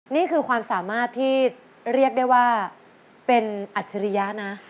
นี่คือความสามารถที่เรียกได้ว่าเป็นอัจฉริยะนะ